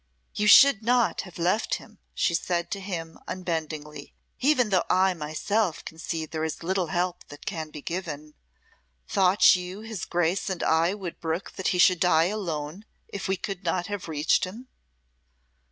"You should not have left him," she said to him unbendingly, "even though I myself can see there is little help that can be given. Thought you his Grace and I would brook that he should die alone if we could not have reached him?"